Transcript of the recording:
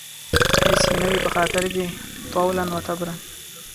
هېڅ يې نه وي په خاطر کې تولاً و تبرا